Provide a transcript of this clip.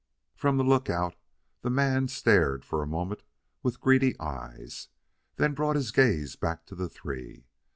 From the lookout, the man stared for a moment with greedy eyes; then brought his gaze back to the three.